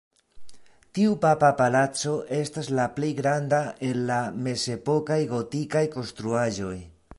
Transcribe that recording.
Tiu papa palaco estas la plej granda el la mezepokaj gotikaj konstruaĵoj.